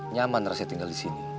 nyaman rasa tinggal di sini